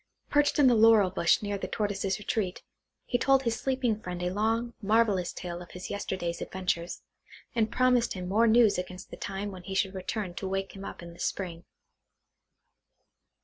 Perched in the laurel bush near the Tortoise's retreat, he told his sleeping friend a long, marvellous tale of his yesterday's adventures, and promised him more news against the time when he should return to wake him up in the spring.